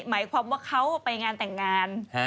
หมายความว่าเขาไปงานแต่งงาน